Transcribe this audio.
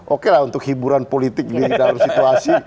oke lah untuk hiburan politik di dalam situasi